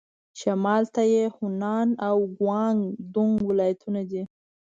شمال ته یې هونان او ګوانګ دونګ ولايتونه دي.